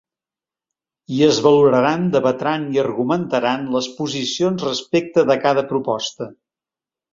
I es valoraran, debatran i argumentaran les posicions respecte de cada proposta.